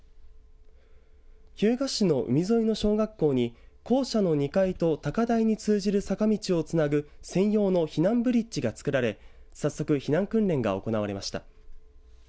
日向市の海沿いの小学校に校舎の２階と高台に通じる坂道をつなぐ専用の避難ブリッジがつくられ早速、避難訓練が行われました。